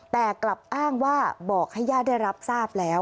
แต่กลับอ้างว่าบอกให้ญาติได้รับทราบแล้ว